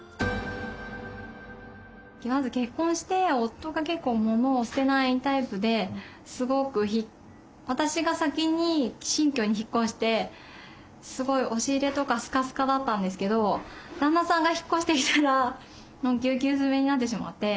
まず結婚して夫が結構モノを捨てないタイプで私が先に新居に引っ越してすごい押し入れとかスカスカだったんですけど旦那さんが引っ越してきたらもうぎゅうぎゅう詰めになってしまって。